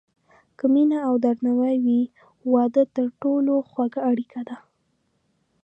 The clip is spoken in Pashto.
که مینه او درناوی وي، واده تر ټولو خوږه اړیکه ده.